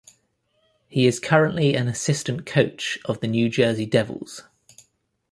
He is currently an assistant coach of the New Jersey Devils.